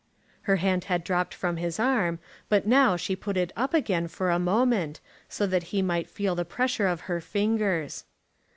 Her hand had dropped from his arm, but now she put it up again for a moment, so that he might feel the pressure of her fingers.